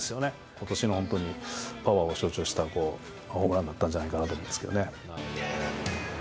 ことしのパワーを象徴したホームランだったんじゃないかなと思いますけどね。